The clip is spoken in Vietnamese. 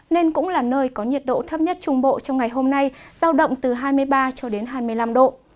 nên cũng là nơi có nhiệt độ thấp nhất trung bộ trong ngày hôm nay giao động từ hai mươi ba cho đến hai mươi năm độ